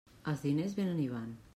Els diners vénen i van.